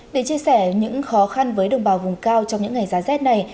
để chia sẻ những khó khăn với đồng bào vùng cao trong những ngày giá rét này